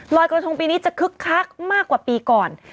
รอยกระทงปีนี้จะคึกคักมากกว่าปีก่อน